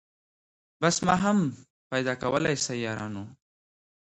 بس ما هم پیدا کولای سی یارانو